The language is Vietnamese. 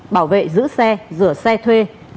bảo vệ giữ xe rửa xe thuê